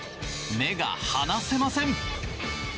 目が離せません。